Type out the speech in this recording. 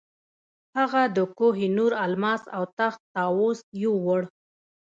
هغه د کوه نور الماس او تخت طاووس یووړ.